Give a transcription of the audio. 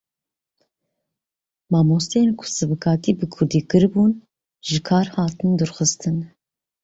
Mamosteyên ku sivikatî bi Kurdî kiribûn ji kar hatin dûrxistin.